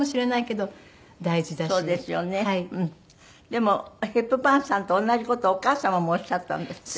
でもヘプバーンさんと同じ事をお母様もおっしゃったんですって？